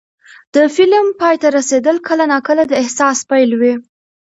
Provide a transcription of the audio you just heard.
د فلم پای ته رسېدل کله ناکله د احساس پیل وي.